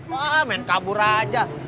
wah men kabur aja